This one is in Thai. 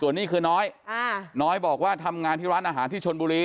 นี่คือน้อยน้อยบอกว่าทำงานที่ร้านอาหารที่ชนบุรี